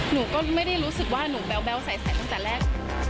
หนูก็ไม่ได้รู้สึกว่าหนูแบ๊วใสตั้งแต่แรก